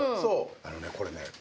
あのねこれね。